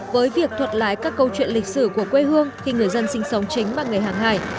với việc thuật lại các câu chuyện lịch sử của quê hương khi người dân sinh sống chính bằng nghề hàng hải